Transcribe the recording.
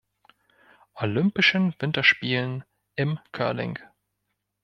Olympischen Winterspielen im Curling.